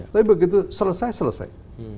tapi begitu selesai selesai